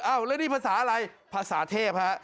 แล้วนี่ภาษาอะไรภาษาเทพฮะ